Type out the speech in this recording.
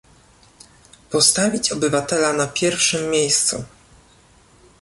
"postawić obywatela na pierwszym miejscu"